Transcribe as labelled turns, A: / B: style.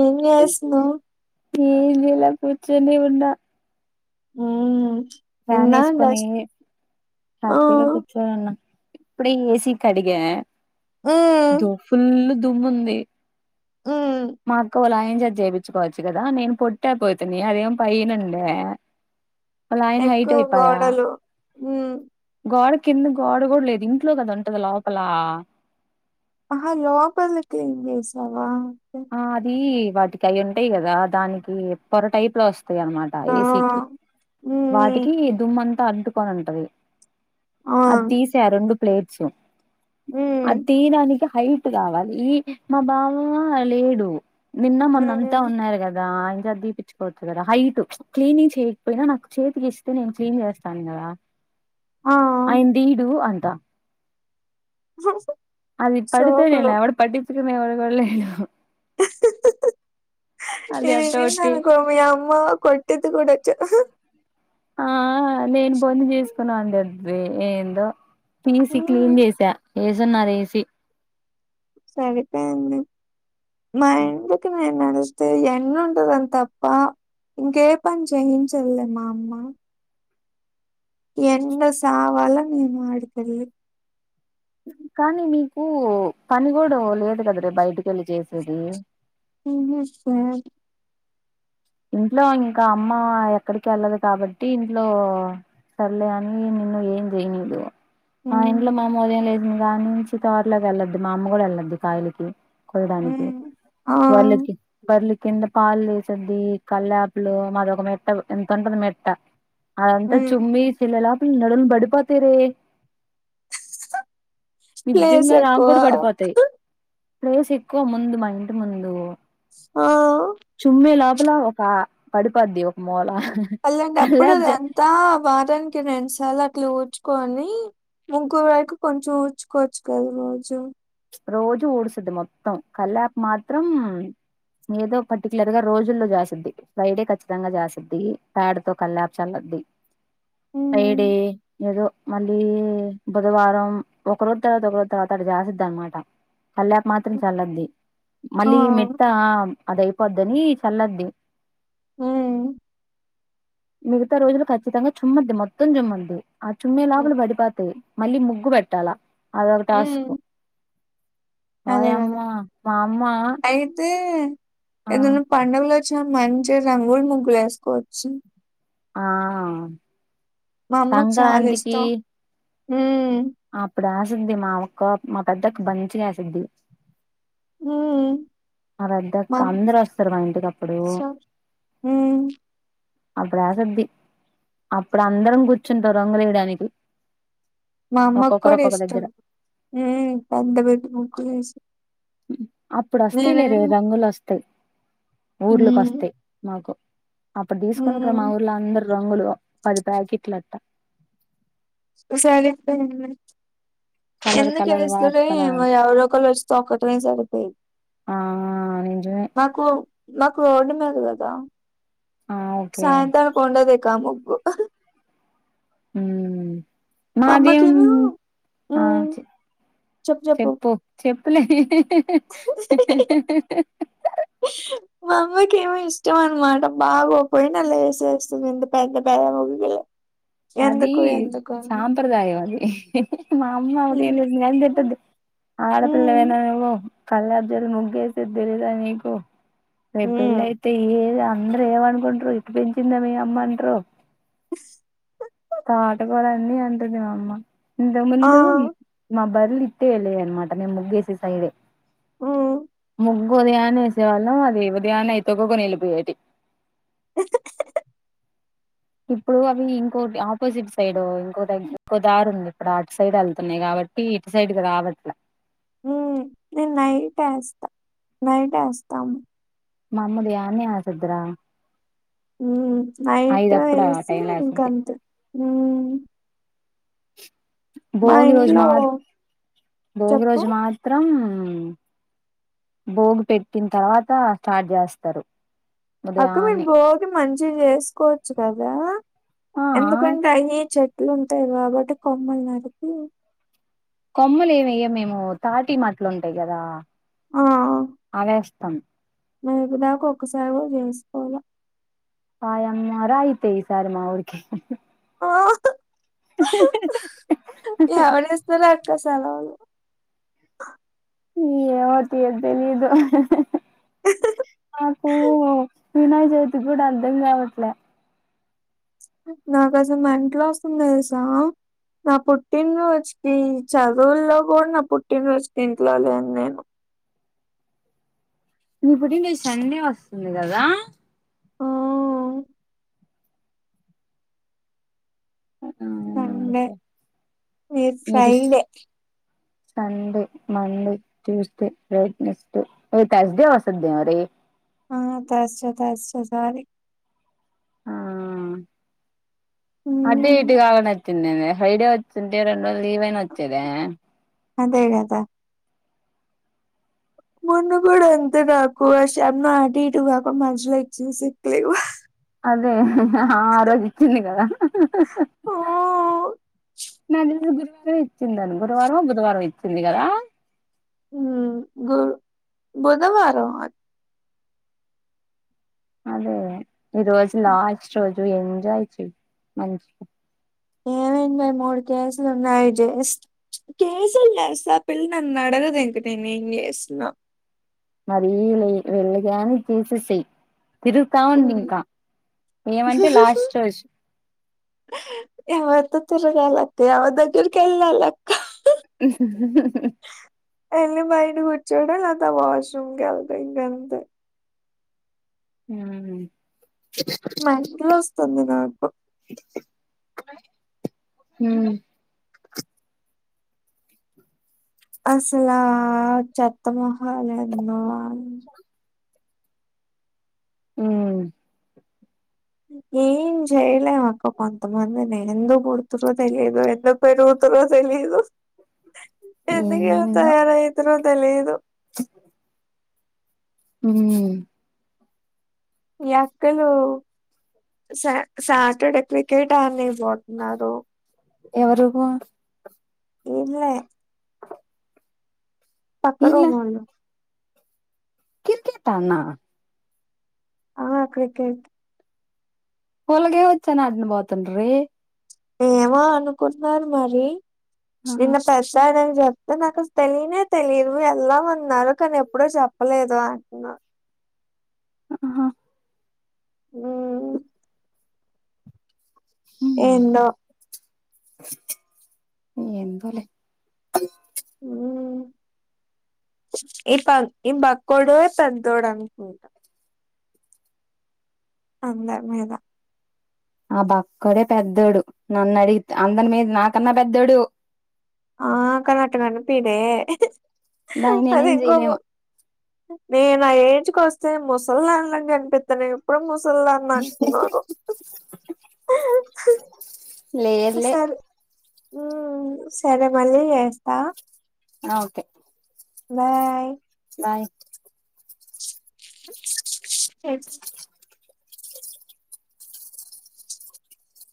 A: ఏం చేస్తున్నావ్
B: ఏం చేయాల కూర్చొని ఉన్నా
A: మ్మ్
B: ఫ్యాన్
A: నిన్న
B: వేసుకొని
A: ఆ
B: హ్యాపీగా కూర్చొని ఇప్పుడే ఏసీ కడిగా
A: మ్మ్
B: దో ఫుల్ దుమ్ము ఉంది
A: హ్మ్
B: మా అక్క వాళ్ళ ఆయన చేత చేపిత్తు కోవచ్చు కదా నేను పొట్టి అయిపోతిని అదేం పైన ఉండే
A: ఎక్కువ గోడలు మ్మ్
B: గోడ కింద గోడ కూడా లేదు ఇంట్లో కద ఉంటది లోపల
A: ఆహా లొపల క్లిన్ చేసావా అయితే
B: అది వాటికి అవి ఉంటాయి కదా దానికి పొర టైప్ లో వస్తాయి అన్నమాట
A: ఆ
B: ఏసీకి
A: హ్మ్
B: వాటికి దుమ్ము అంతా అంటుకొని ఉంటది అది
A: అవును
B: తీసా రెండు ప్లేట్స్ అది
A: హ్మ్
B: తీయడానికి హైట్ కావాలి ఈ మా బావ లేడు నిన్న మొన్న అంతా
A: హ్మ్
B: ఉన్నారు కదా ఎంజాయ్ దీపి కొవచ్చు కదా హైట్ క్లీనింగ్ చేయకపోయినా నాకు చేతికి ఇస్తే నేను క్లీన్ చేస్తాను కదా
A: ఆ
B: ఆయన తీడు అంటా అది పడుతే
A: సోకులు
B: నిన్ను ఎవడు పటిచ్చుకునే వాడు కూడా లేడు అది
A: ఇది యినింది
B: అట్టోటి
A: అనుకో మీ అమ్మా కోట్ ఈత కూడా వచ్చా ఆహ
B: ఆ నేను బొని చేసుకున్నా అంటాది ఏందో తీసి
A: హ్మ్
B: క్లీన్ చేసా ఏసున్నారు ఏసీ
A: సరిపొయింది మరి ఎందుకు మే నడుస్తే ఎండ ఉంటాదని తప్ప ఇంకే పని చేయించుదవే మా అమ్మా ఎండలో సవల్ల మీము ఆడికెళ్ళి
B: కానీ మీకు పని కూడా లేదు కద రే బయటికి వెళ్ళి చేసేది
A: [unintelligible]
B: ఇంట్లో ఇంకా అమ్మ ఎక్కడికి వెళ్ళదు కాబట్టి ఇంట్లో సర్లే అని నిన్ను అమిచేయనియ్యదు మా
A: ఉమ్
B: ఇంట్లో మమ్మ ఉదయం లేసింది దాని నుంచి తోటలోకి వెళ్ళొద్దు. మా అమ్మ కూడా వెళ్ళొద్దు కాయలకి కొయడానికి,
A: ఉమ్ ఆ
B: బరలకి బర్ల కింద పాలు లేసింది కల్లపులు మాదొక మెత్త ఇంత ఉంటది మెత్త అదంతా
A: ఉమ్
B: చుమ్మి ఇల్లెలాపి నడుము బడిపతరే
A: ప్లేస్
B: నిజ్యంగా నాకు
A: ఎక్కువ
B: కూడా పడిపోతాయి. ప్లేస్ ఎక్కువ ముందు మా ఇంటి ముందు
A: ఆ
B: చుమ్మీ లోపల ఒక పడిపోద్ది ఒక మూలా
A: పల్లండి అప్పుడు అద అంతా వారానికి రెండు సార్లు అట్లా ఊడ్చుకొని ముగ్గు వరకు కొంచెం ఉచ్చుకోవచ్చు కదా రోజు
B: రోజు ఊడుస్తుది మొత్తం కళ్ళపు మాత్రం ఏదో పర్టూక్యులర్ గా రోజుల్లో జసిద్ది బైట్రై ఖచ్చితంగా చేస్తుద్ది పేడతో కల్ళపు చల్లద్ది ఫ్రైడే
A: ఉమ్
B: ఏదో మళ్ళీ బుధవారం ఒకరోోజు తర్వాత ఒక రోజు తర్వాత అట్ట చేసిది అనమాట కళ్ళాపి మాత్రం చల్లింది
A: ఆ
B: మళ్ళీ మెత్త అదయిపోద్దని చల్లద్ది
A: హ్మ్మ్
B: మిగతా రోజులు ఖచ్చితంగా చుమ్మింది మొత్తం చుమ్మంది ఆ చుమ్మే
A: ఉమ్
B: లాభాలు పడిపోతాయి మళ్ళీ ముగ్గు పెట్టాలా అదొక టాస్క్
A: ఉమ్, అదే
B: వాయమ్మ
A: కదా
B: మా అమ్మ
A: అయితే
B: ఆ
A: ఏదయినా పండుగలు వచ్చిన మంచి రంగులు ముగ్గులు వేసుకోవచ్చు
B: ఆ సంక్రాంతికి
A: హ
B: అప్పుడు ఆసిద్ది మా ఒక్క మా పెద్దక్క మంచిగా ఏసిద్ది
A: హ
B: ఆ పేద్దక్కఅందరు వస్తారు. మా ఇంటికి అప్పుడు
A: ఇష్టం. హ్మ్.
B: అప్పుడా సిద్ధి అప్పుడు అందరం కూర్చుంటాం రంగులు వేయడానికి
A: మా అమ్మకు కూడా ఇష్టం.
B: దగ్గర
A: హ్మ్మ్ పెద్ద పెద్ద ముగ్గులు ఎస్సిద్ధి
B: అప్పుడు వస్తాయి లేరా రంగులు వస్తాయి్ ఊర్లోకి
A: హ్మ్.
B: వస్తాయి మాకు అప్పుడు తీసుకుంటారు. మా
A: హ్మ్.
B: ఊర్లో అందరుూ రంగులు పది ప్యాకెట్లు అట్లా
A: సరిపోయింది
B: కలర్
A: ఎందుకు
B: కలర్ వాట్
A: ఎస్తారో
B: కలర్
A: ఏమో
B: అని
A: ఎవరో ఒకరు వొచ్చి తొక్కడమే సరిపోయి
B: ఆ నిజమే
A: బ కు మాకు రోడ్డు మీద కదా
B: ఆ ఓకే
A: సాయంత్రాాలకు ఉండదికా ముగ్గు
B: హ
A: మా
B: మాది
A: అమ్మకేమో
B: ఆ
A: హ్మ్.
B: చెప్పు చెప్పులే [unintelligible]
A: వ మా అమ్మకి ఏమో ఇష్టం అనమాట బాగో పోయిన లేసి వేసేస్తుందింత పెద్ద పెేద ముగ్గులు ఎందుకు ఎందుకు
B: సంప్రదాయం అది మా అమ్మ
A: ఉమ్
B: [unintelligible]
A: ఉమ్
B: ఆడపిల్లవేనా నువ్వు కల్లాబ్జల్లి ముగ్గేసేద్దెలియదా నీకు? రేపు
A: ఉమ్.
B: పెళ్లయితే ఏం అందరూ ఏమనుకుంట్రు? ఇట్ట పెంచిందా మీ అమ్మ అంట్రు.
A: స్ హ హ
B: తాటకోలండీ అంటది మా అమ్మ ఇంతకు
A: ఆ
B: ముందు మబ్బ్ బర్లిత్తే ఎల్లాయన్మాట మేం ముగ్గేసే సైడే
A: ఊ ఉ
B: ముగ్గు ఉదయాన్నే ఏసేవాళ్ళం అవి ఉదయాన్నే తొక్కుకొని ఎళ్ళిపోయేటియ్ ఇప్పుడు అవి ఇంకోటి ఆపోజిట్ సైడు ఇంకోటుంద్ ఇంకో దారుంది. ఇప్పుడు అటు సైడ్ ఎళ్తున్నా [unintelligible] ఇగ ఇటు సైడుకి రావట్ల
A: ఊ నేన్ నైట్ ఒస్తా నైట్ ఒస్తాను.
B: మమ్మిది ఆన్నే ఆపిద్దిరా
A: ఊ నైటే
B: ఐదప్పుడు ఆ
A: ఏసీ
B: టైం లో ఏసిద్ది
A: ఇంకంతె ఊ
B: భోగి రోజు
A: ఇంట్లో
B: మాత్ భోగి
A: చెప్పు
B: రోజు మాత్రం బోగు పెట్టిన తర్వాతా స్టార్ట్ చేస్తారు.
A: అక్క మేము
B: ఉదయాన్నే
A: భోగి మంచిగ చేసుకోవచ్చు కదా
B: ఆ
A: ఎందుకంటే అవి చెట్ లుంతయి కాబట్టి కొమ్మల్నరికి
B: కొమ్మలేవెయ్యం మేమూ తాటి మట్లుంటయి గదా అవేస్తం
A: నీకు నాకు ఒక్కసారే చేస్త ఇగ
B: ఆయమ్మ రా అయితే ఈసారి మా ఊర్కి
A: ఆ అహ హ్ హ్ ఎవరిస్తారక్క సెలవులు
B: ఏమో తియ్ తెలియదు నాకూ వినాయక చవితిక కూడా అర్ధం కావట్లే
A: నాకసలు మంట్లొస్తున్నాయిసా నా పుట్టిన్రోజుకి చదువుల్లో బడి నా పుట్టిన్రోజుకి ఇంట్లో లేన్నేను.
B: నీ పుట్టిన్రోజ్ సండే వస్తుంది కదా!
A: ఆ,
B: ఆ
A: సండే
B: ఓకే
A: రేప్ Friday
B: Sunday, Monday Tuesday, Wednesday ఏ థాస్డే వస్తుంది మరి
A: ఆ థాస్డె థాస్డె సారీ
B: ఆ అటూ
A: హ్మ్.
B: ఇటు కాకుండత్తుందేమే హ్రై డే వచ్చుంటే రెండు రోజులు లీవ్ అయినా వచ్చేదేమే
A: అదే గదా మన్న కూడా అంతే నాకు ఆ శ్యమ్న అదీ ఇదీ వాకం మధ్యలో ఇచ్చేసేత్తే ఉహ్
B: అదే ఆ రోజు ఇచ్చింది కదా
A: ఆ!
B: నాక్ తెలిసి గురువారవే ఇచ్చిందాన్ని గురవారవో బుధవారవో ఇచ్చింది కదా!
A: ఊ గుర్వె బుధవారంవా
B: అదే గదా ఈ రోజు లాస్ట్ రోజు ఎంజాయ్ చెయ్యి మంచిగా
A: [unintelligible] క్లాసులున్నాయి జస్ట్ ప్చ్ కేసుల్ న సా పిల్ నన్నదడగదింక నేనేం జేసినా
B: మళ్ళీ ఇల ఎ ఎళ్ళగానే ఇచ్చేసేసేయ్ తిరుగుతా
A: ఉమ్.
B: ఉండింకా ఏమంటే లాస్ట్ రోజు
A: నువ్వొత్తె తిరగాలక్క ఎవర్దగ్గెర్కెల్లాలక్క
B: [unintelligible]
A: అన్ని బయటికొచ్చాడు అఃత వాష్రూమ్ కెళ్ళిపోయిండంతే
B: ఊ
A: మ్యాద్రోస్తుంది నాకు
B: మ్
A: అసలు ఆ చెత్త మొహాలు ఏందో
B: మ్
A: ఏం చేయలేం అక్క కొంతమందిని ఎందుకు పుడతారో తెలియదు ఎందుకు పెరుగుతరో తెలియదు ఎందుకిలా
B: ఏందో
A: తయారయితారో తెలిదు.
B: మ్
A: ఈ అక్కలు సాటర్డే క్రికెట్ ఆన్నికి పోతున్నారు.
B: ఎవరు
A: ఈద్లె పక్కలో
B: ఈళ్ళ
A: వాళ్ళు
B: కిర్ కెట్ ఆడిన.
A: ఆ క్రికెట్
B: వాళ్లకి ఏమోచ్చని ఆడను పోతున్నారే?
A: ఏమో అనుకుంటున్నారు మరి.
B: ఆహా
A: నిన్న పెద్దాయనకి చెప్ నాకు అస్ తెలియనే తెలిదు వెళ్దాం ఉన్నారు. కానీ ఎప్పుడూ చెప్పలేదు అంటన
B: ఆహా
A: మ్
B: మ్
A: ఏందో
B: ఏందోలే
A: మ్ ఈ ప ఈ బక్కోడే పెద్దోడు అనుకుంటా. అందరి మీద
B: ఆ బక్కోడే పెద్దోడు. నన్ను అడిగి అందరి మీద, నాకన్నా పెద్దోడు.
A: ఆ కానీ అట్ట కనిపిడే,
B: దానికి
A: అదే
B: నేనేం
A: ఇంకో మ
B: చేయలేము
A: నేనా ఏజ్ కి వస్తే ముసలిదానిలాగ కనిపిత్తనే. ఇప్పుడే ముసలిదాన్ని అంటున్నారు.
B: లేదులే
A: సరే మ్ సరే మళ్ళీ చేస్త.
B: ఓకే
A: బాయ్
B: బాయ్
A: ఎ